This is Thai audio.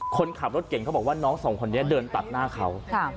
คนขับรถเก่งเขาบอกว่าน้องสองคนนี้เดินตัดหน้าเขา